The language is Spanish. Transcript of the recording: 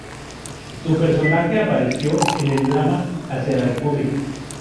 Su personaje apareció en el drama "Hacia la República".